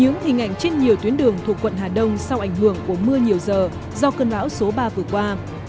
những hình ảnh trên nhiều tuyến đường thuộc quận hà đông sau ảnh hưởng của mưa nhiều giờ do cơn bão số ba vừa qua